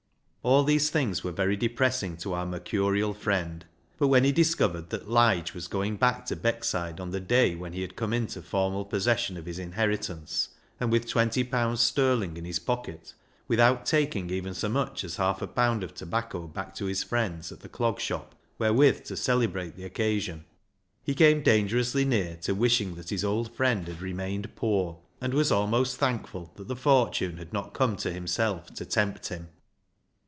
All these things were very depressing to our mercurial friend ; but when he discovered that Lige was going back to Beckside on the day when he had come into formal possession of his inheritance, and v. ith twenty pounds sterling in his pocket, without taking even so much as half a pound of tobacco back to his friends at the Clog Shop wherewith to celebrate the occasion, he came dangerously near to wishing that his old friend had remained poor, and was almost thankful that the fortune had not come to himself to tempt him.